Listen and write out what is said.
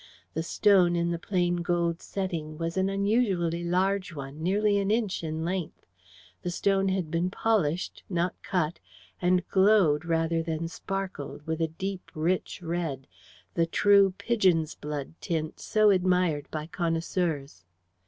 The stone in the plain gold setting was an unusually large one, nearly an inch in length. The stone had been polished, not cut, and glowed rather than sparkled with a deep rich red the true "pigeon's blood" tint so admired by connoisseurs.